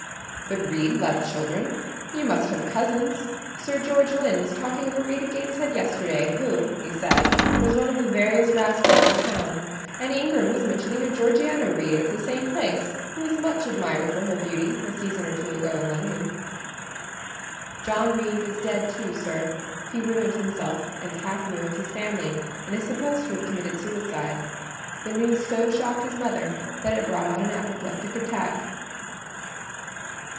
"But Reed left children?—you must have cousins? Sir George Lynn was talking of a Reed of Gateshead yesterday, who, he said, was one of the veriest rascals on town; and Ingram was mentioning a Georgiana Reed of the same place, who was much admired for her beauty a season or two ago in London." "John Reed is dead, too, sir: he ruined himself and half ruined his family, and is supposed to have committed suicide. The news so shocked his mother that it brought on an apoplectic attack."